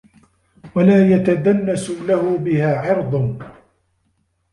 وَلَا يَتَدَنَّسُ لَهُ بِهَا عِرْضٌ